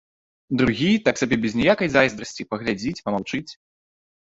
Другі так сабе без ніякай зайздрасці паглядзіць, памаўчыць.